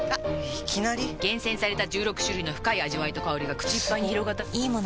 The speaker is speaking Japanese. いきなり・・・厳選された十六種類の深い味わいと香りがくち一杯に広がったと思いきや・・・すご！